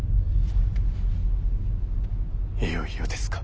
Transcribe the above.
いよいよですか。